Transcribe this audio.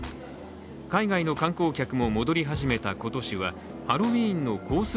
海外の観光客も戻り始めた今年はハロウィーンのコース